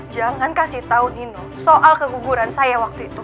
jangan kasih tau nino soal kekuburan saya waktu itu